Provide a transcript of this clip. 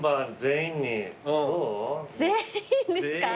全員ですか。